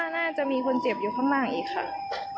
น่าจะมีคนเจ็บอยู่ข้างหน้าอีกค่ะ